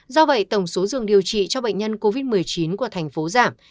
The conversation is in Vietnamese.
do vậy tổng số giường điều trị cho bệnh nhân covid một mươi chín của thành phố giảm